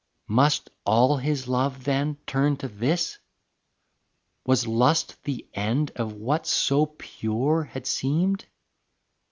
Must all his love, then, turn to this? Was lust the end of what so pure had seemed?